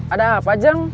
ada apa jeng